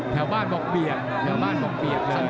แผ่วบ้านบกเบียบแผ่วบ้านบกเบียบเลย